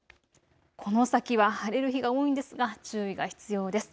この先は晴れる日が多いんですが注意が必要です。